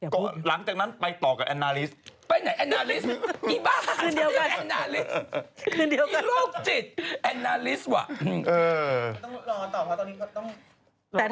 ก็หลังจากนั้นไปต่อกับอันลิสต์